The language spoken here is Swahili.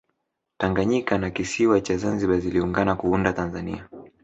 tanganyika na kisiwa cha zanzibar ziliungana kuunda tanzania